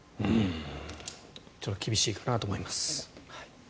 それは厳しいかなと思います。